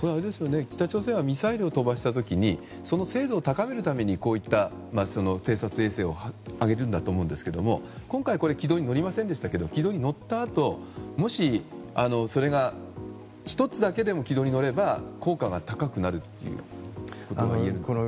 北朝鮮はミサイルを飛ばした時に精度を高めるためにこういった偵察衛星を上げるんだと思うんですが今回、これは軌道に乗りませんでしたけどもし、それが１つだけでも軌道に乗れば効果が高くなるということがいえるんですか？